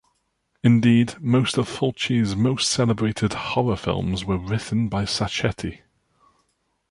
Indeed, most of Fulci's most celebrated horror films were written by Sacchetti.